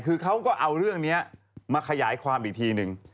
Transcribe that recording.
คือเขาก็เอาเรื่องนี้มาขยายความอีกทีนึง